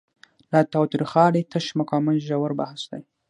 له تاوتریخوالي تش مقاومت ژور بحث دی.